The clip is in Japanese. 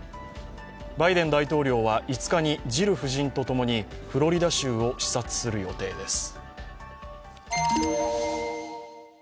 バイデン大統領は５日にジル夫人と共にフロリダ州を視察する予定です。